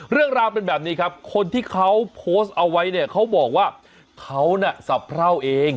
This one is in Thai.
เรื่องราวเป็นแบบนี้ครับคนที่เขาโพสต์เอาไว้เนี่ยเขาบอกว่าเขาน่ะสะเพราเอง